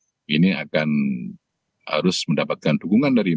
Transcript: dan tentunya ini akan harus mendapatkan dukungan dari ppr